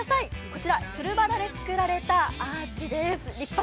こちら、つるバラで作られたアーチです。